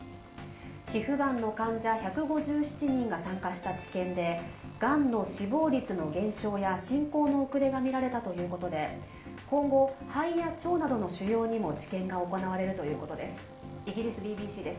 皮膚がんの患者１５７人が参加した治験でがんの死亡率の減少や進行の遅れがみられたということで今後、肺や腸などの腫瘍にも治験が行われるということです。